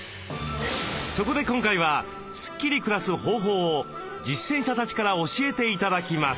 そこで今回はスッキリ暮らす方法を実践者たちから教えて頂きます。